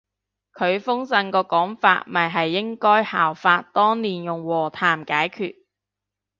佢封信個講法咪係應該效法當年用和談解決